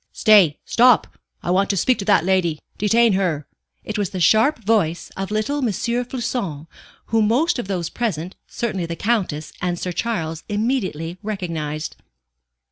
"Stay! Stop! I want to speak to that lady; detain her." It was the sharp voice of little M. Floçon, whom most of those present, certainly the Countess and Sir Charles, immediately recognized.